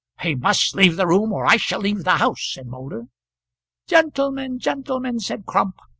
"He must leave the room, or I shall leave the house," said Moulder. "Gentlemen, gentlemen!" said Crump.